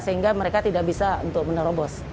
sehingga mereka tidak bisa untuk menerobos